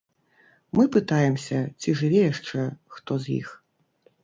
Мы пытаемся, ці жыве яшчэ хто з іх.